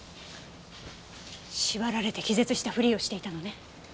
縛られて気絶したふりをしていたのね。